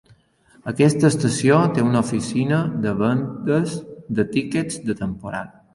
Aquesta estació té una oficina de vendes de tiquets de temporada.